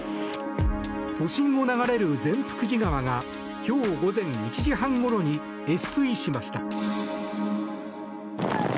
都心を流れる善福寺川が今日午前１時半ごろに越水しました。